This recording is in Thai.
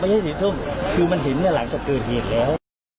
ไม่ใช่สีส้มคือมันเห็นเนี่ยหลังจากเกิดเหตุแล้ว